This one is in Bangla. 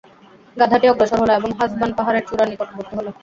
গাধাটি অগ্রসর হল এবং হাসবান পাহাড়ের চূড়ার নিকটবর্তী হল।